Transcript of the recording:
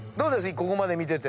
ここまで見てて。